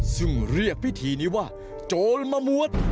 ซึ่งเรียกพิธีนี้ว่าโจรมะมวด